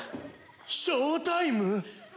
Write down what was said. ショータイム？